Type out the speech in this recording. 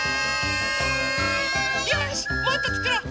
よしもっとつくろう！